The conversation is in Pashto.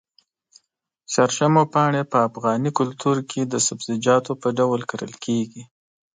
شړشمو پاڼې په افغاني کلتور کې د سبزيجاتو په ډول کرل کېږي.